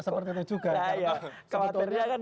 seperti itu juga nah iya kawanernya kan